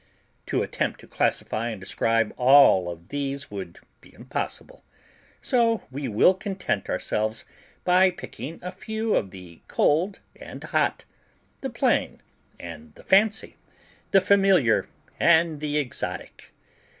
To attempt to classify and describe all of these would be impossible, so we will content ourselves by picking a few of the cold and hot, the plain and the fancy, the familiar and the exotic.